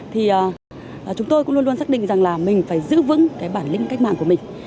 thì chúng tôi cũng luôn luôn xác định rằng là mình phải giữ vững cái bản lĩnh cách mạng của mình